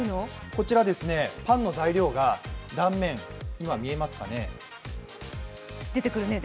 こちらパンの材料が、断面、今見えますかね。